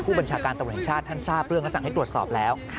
ผู้บัญชาการเตาะแห่งชาติท่านทราบเรื่องอาจรังให้ตรวจสอบแล้ว